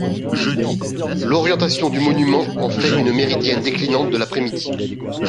L'orientation du monument en fait une méridienne déclinante de l'après-midi.